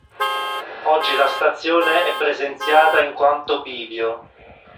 Oggi la stazione è presenziata in quanto bivio.